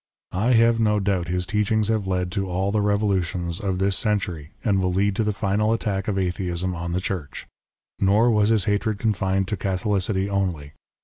I have no doubt his teachings have led to all the revolutions of this century, and will lead to the final attack of Atheism on the Church. Nor was his hatred confined to Catholicity only.